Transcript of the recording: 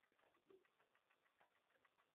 Qiziq, – xayolidan kechiradi ota.